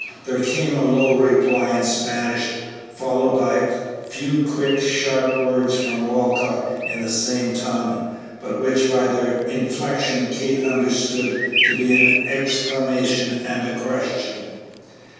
There came a low reply in Spanish, followed by a few quick, sharp words from Walcott in the same tongue, but which by their inflection Kate understood to be an exclamation and a question.